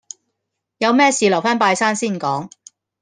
有咩事留返拜山先講